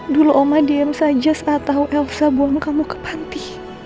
dulu oma diem saja saat tahu elsa buangmu kamu ke panti